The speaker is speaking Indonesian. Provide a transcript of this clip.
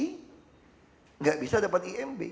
tidak bisa dapat imb